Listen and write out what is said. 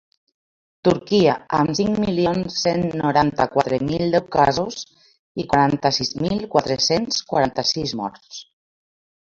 Turquia, amb cinc milions cent noranta-quatre mil deu casos i quaranta-sis mil quatre-cents quaranta-sis morts.